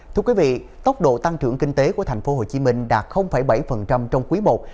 thưa quý vị tốc độ tăng trưởng kinh tế của tp hcm đạt bảy trong quý i